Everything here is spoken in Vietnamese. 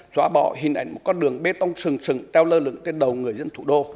xóa bỏ hình ảnh một con đường bê tông sừng sừng teo lơ lửng trên đầu người dân thủ đô